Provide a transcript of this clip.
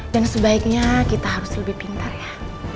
dan sebaiknya kita harus lebih pintar ya